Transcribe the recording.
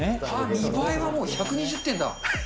見栄えはもう１２０点だ。